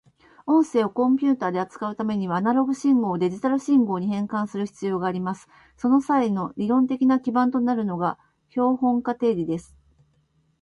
音声をコンピュータで扱うためには、アナログ信号をデジタル信号に変換する必要があります。その際の理論的な基盤となるのが標本化定理です。